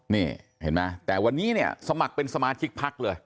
นี่แต่วันนี้สมัครเป็นสมาชิกพักเลย